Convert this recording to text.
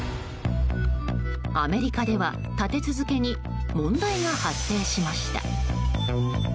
アメリカでは立て続けに問題が発生しました。